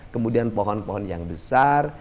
kemudian pohon pohon yang besar